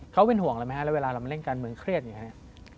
เขาเป็นห่วงอะไรไหมฮะแล้วเวลาเรามาเล่นการเมืองเครียดอย่างนี้